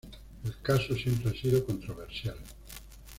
El caso siempre ha sido controversial.